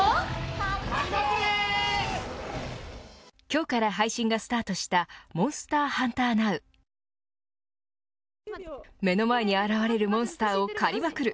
今日から配信がスタートしたモンスターハンターＮｏｗ目の前に現れるモンスターを狩りまくる